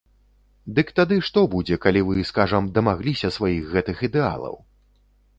Дык тады што будзе, калі вы, скажам, дамагліся сваіх гэтых ідэалаў?